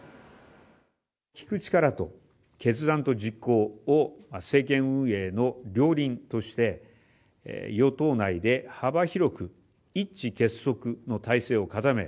聞く力と決断と実行を政権運営の両輪として、与党内で幅広く一致結束の体制を固め、